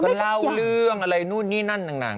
ก็เล่าเรื่องอะไรนู่นนี่นั่นนั่นนั่น